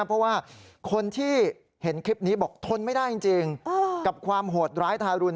เพราะว่าคนที่เห็นคลิปนี้บอกทนไม่ได้จริงกับความโหดร้ายทารุณ